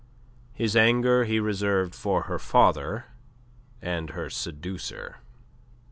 His anger he reserved for her father and her seducer.